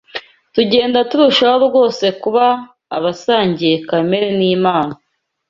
Tugenda turushaho rwose kuba abasangiye kamere n’Imana